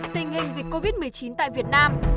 tình hình dịch covid một mươi chín tại việt nam